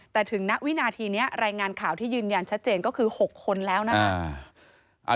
แต่ถึงณวินาทีนี้รายงานข่าวที่ยืนยันชัดเจนก็คือ๖คนแล้วนะครับ